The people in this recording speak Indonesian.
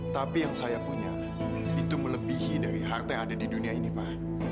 tapi yang saya punya itu melebihi dari harta yang ada di dunia ini pak